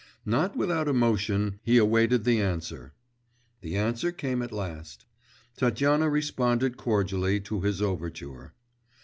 Not without emotion he awaited the answer ... the answer came at last. Tatyana responded cordially to his overture.